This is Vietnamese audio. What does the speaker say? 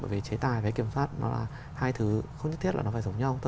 bởi vì chế tài với kiểm soát nó là hai thứ không nhất thiết là nó phải giống nhau